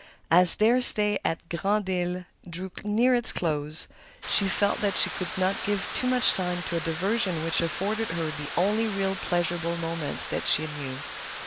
As their stay at Grand Isle drew near its close, she felt that she could not give too much time to a diversion which afforded her the only real pleasurable moments that she knew.